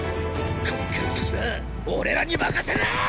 こっから先は俺らに任せなー！！